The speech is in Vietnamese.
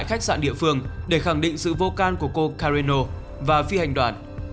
tại khách sạn địa phương để khẳng định sự vô can của cô carreno và phi hành đoạn